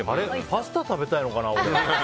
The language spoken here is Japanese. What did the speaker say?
パスタ食べたいのかな、俺。